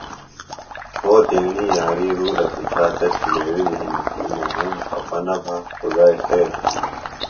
پھو تیݨی یاری رُولہ پِچھا تس ݜلیوِلیۡ ہنیۡ کیۡ مہ وُھوم خفہ نہ بھہ خدائیۡ خیر تھی